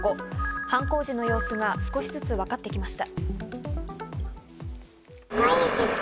犯行時の様子が少しずつわかってきました。